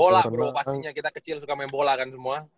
bola bro pastinya kita kecil suka main bola kan semua